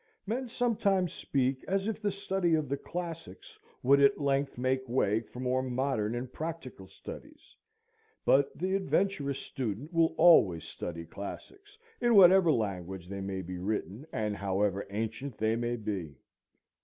Men sometimes speak as if the study of the classics would at length make way for more modern and practical studies; but the adventurous student will always study classics, in whatever language they may be written and however ancient they may be.